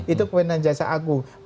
itu kewenangan jaksa agung